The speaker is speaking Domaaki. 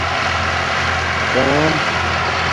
څݳم